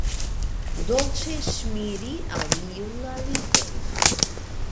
Dolĉe ŝmiri al iu la lipojn.